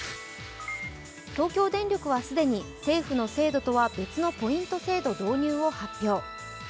東京電力は既に政府の制度とは別のポイント制度導入を発表。